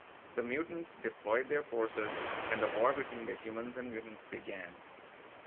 The mutants deployed their forces, and the war between the humans and mutants began.